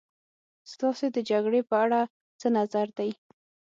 ستاسې د جګړې په اړه څه نظر دی.